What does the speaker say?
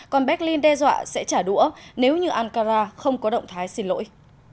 còn berlin đe dọa sẽ trả đũa nếu như ankara không có động thái xin lỗi